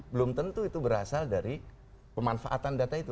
belum tentu itu berasal dari pemanfaatan data itu